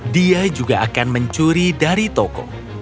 dia juga akan mencuri dari toko